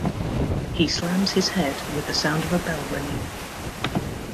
He slams his head, with the sound of a bell ringing.